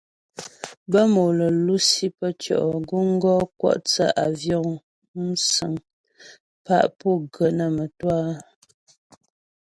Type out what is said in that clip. Bə́ mò lə́ lusi pə́ tʉɔ' guŋ gɔ kwɔ' thə́ àvyɔ̌ŋ (musə̀ŋ) pá pu gə nə́ mə́twâ áa.